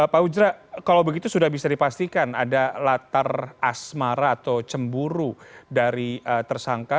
pak ujra kalau begitu sudah bisa dipastikan ada latar asmara atau cemburu dari tersangka